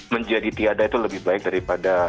menjadi tiada itu lebih baik daripada